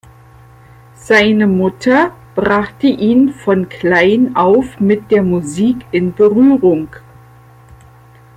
Seine Mutter brachte ihn von klein auf mit der Musik in Berührung.